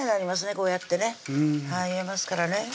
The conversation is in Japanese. こうやってね言えますからね